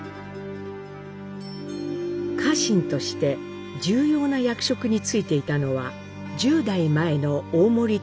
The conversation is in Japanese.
家臣として重要な役職に就いていたのは１０代前の大森豊